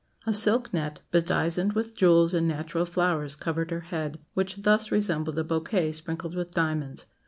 A silk net, bedizened with jewels and natural flowers, covered her head, which thus resembled a bouquet sprinkled with diamonds.